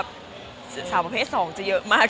รู้สึกว่าตอนนี้คนเร่มช่วยเจนที่แรงค่ะ